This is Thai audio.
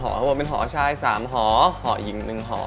เขาบอกเป็นหอชาย๓หอหอหญิง๑หอ